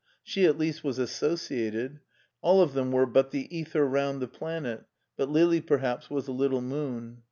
She at least was associated. All of them were but the ether round the planet, but Lili, perhaps, was a little moon.